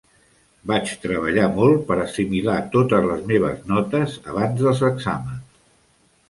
Vaig treballar molt per assimilar totes les meves notes abans dels exàmens.